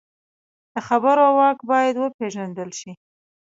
د خبرو واک باید وپېژندل شي